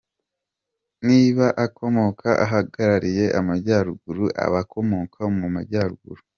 Niba akomoka ahagarariye Amajyaruguru, aba akomoka mu majyaruguru.